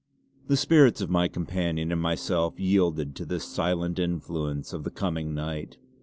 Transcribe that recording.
The spirits of my companion and myself yielded to this silent influence of the coming night.